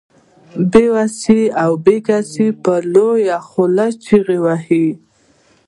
بې وسي او بې کسي يې په لويه خوله چيغې وهي.